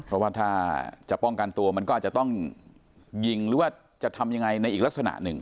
เพราะว่าถ้าจะป้องกันตัวมันก็อาจจะต้องยิงหรือว่าจะทำยังไงในอีกลักษณะหนึ่ง